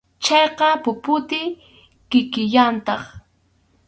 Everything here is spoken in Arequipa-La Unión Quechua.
Chayqa puputi kikillantaq.